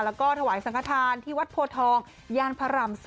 แล้วก็ถวายสังขทานที่วัดโพทองย่านพระราม๒